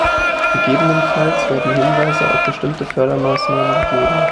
Gegebenenfalls werden Hinweise auf bestimmte Fördermaßnahmen gegeben.